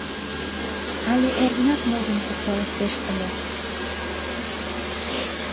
Але эрденат модын куржталыштеш ыле.